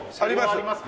あります。